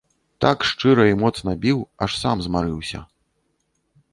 Так шчыра і моцна біў, аж сам змарыўся.